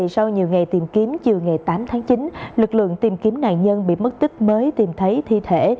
sau nhiều ngày tìm kiếm chiều ngày tám tháng chín lực lượng tìm kiếm nạn nhân bị mất tích mới tìm thấy thi thể